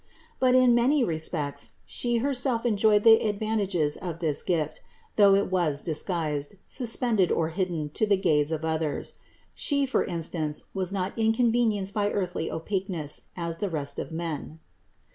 But in many respects She herself enjoyed the advantages of this gift, though it was disguised, sus pended or hidden to the gaze of others ; She for instance was not inconvenienced by earthly opaqueness, as the rest of men.